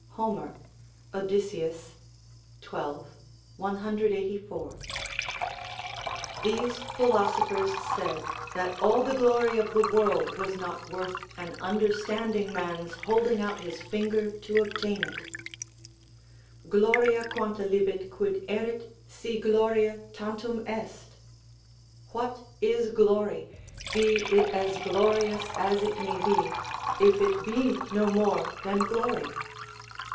Homer, Odysseus, xii. 184.] These philosophers said, that all the glory of the world was not worth an understanding man's holding out his finger to obtain it: "Gloria quantalibet quid erit, si gloria tantum est?" ["What is glory, be it as glorious as it may be, if it be no more than glory?"